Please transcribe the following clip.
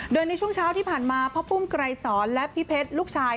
โดยในช่วงเช้าที่ผ่านมาพ่อปุ้มไกรสอนและพี่เพชรลูกชาย